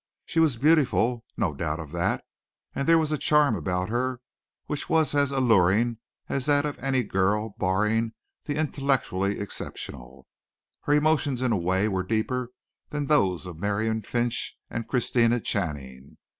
She was beautiful no doubt of that. And there was a charm about her which was as alluring as that of any girl barring the intellectually exceptional. Her emotions in a way were deeper than those of Miriam Finch and Christina Channing.